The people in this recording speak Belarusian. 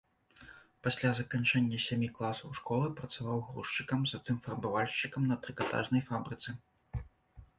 Пасля заканчэння сямі класаў школы працаваў грузчыкам, затым фарбавальшчыкам на трыкатажнай фабрыцы.